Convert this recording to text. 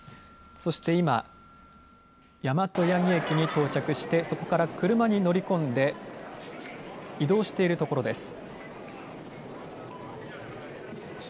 そして今、大和八木駅に到着して、そこから車に乗り込んで、移動しているところです。